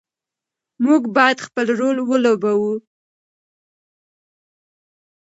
موږ باید خپل رول ولوبوو.